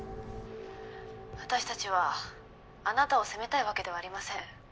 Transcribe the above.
私たちはあなたを責めたいわけではありません。